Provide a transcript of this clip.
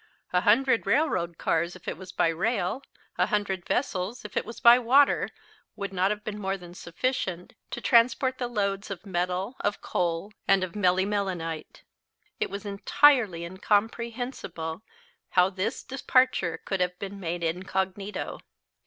A hundred railroad cars, if it was by rail, a hundred vessels, if it was by water, would not have been more than sufficient to transport the loads of metal of coal, and of melimelonite. It was entirely incomprehensible how this departure could have been made incognito.